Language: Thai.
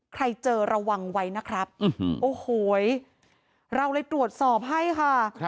ใครเจอระวังไว้นะครับโอ้โหเราเลยตรวจสอบให้ค่ะ